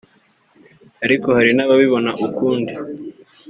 ariko hari n’ababibona ukundi